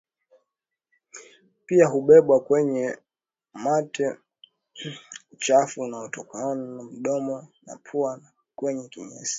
Pia hubebwa kwenye mate uchafu unaotoka mdomoni na puani na kwenye kinyesi